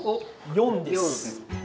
４です。